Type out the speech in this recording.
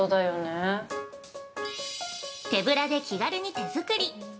◆手ぶらで気軽に手作り。